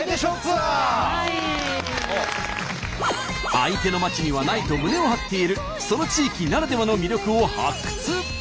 相手のまちにはないと胸を張って言えるその地域ならではの魅力を発掘。